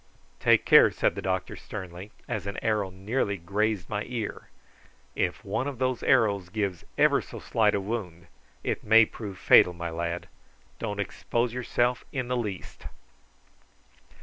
"Take care," said the doctor sternly, as an arrow nearly grazed my ear. "If one of those arrows gives ever so slight a wound it may prove fatal, my lad; don't expose yourself in the least.